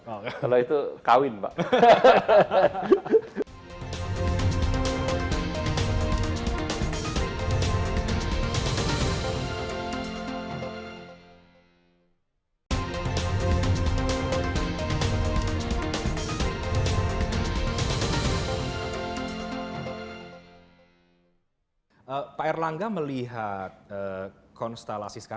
kalau itu kawin pak